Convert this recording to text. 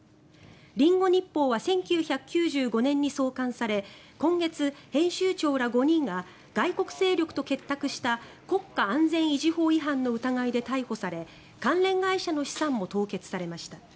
リンゴ日報は１９９５年に創刊され今月、編集長ら５人が外国勢力と結託した国家安全維持法違反の疑いで逮捕され、関連会社の資産も凍結されました。